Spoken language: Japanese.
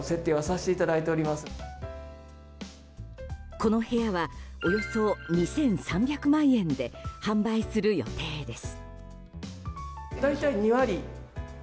この部屋はおよそ２３００万円で販売する予定です。